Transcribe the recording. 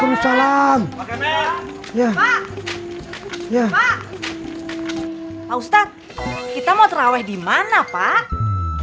pak ustadz kita mau taraweh di mana pak